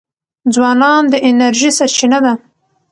ځوانان د انرژی سرچینه دي.